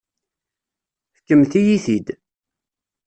Fkemt-iyi-t-id.